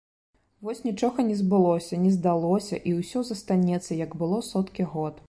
Вось нічога не збылося, не здалося, і ўсё застанецца, як было соткі год.